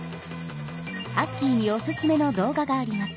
アッキーにおすすめの動画があります。